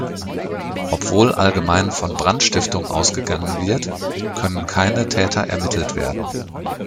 Obwohl allgemein von Brandstiftung ausgegangen wird, können keine Täter ermittelt werden.